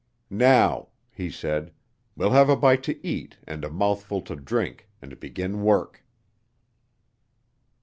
"Now," he said, "we'll have a bite to eat and a mouthful to drink and begin work."